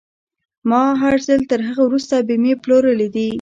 ما هر ځل تر هغه وروسته بيمې پلورلې دي.